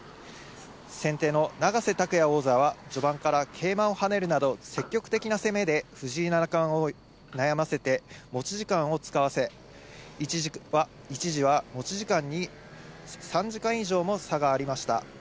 先手の永瀬拓矢王座は、序盤から桂馬をはねるなど、積極的な攻めで、藤井七冠を悩ませて、持ち時間を使わせ、一時は持ち時間に３時間以上も差がありました。